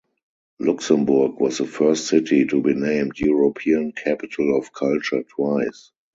Luxembourg was the first city to be named European Capital of Culture twice.